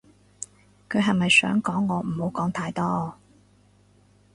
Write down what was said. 佢係咪想講我唔好講太多